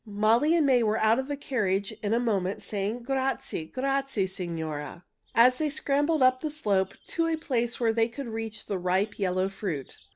Molly and May were out of the carriage in a moment saying, "Grazie, grazie, signora!" as they scrambled up the slope to a place where they could reach the ripe, yellow fruit.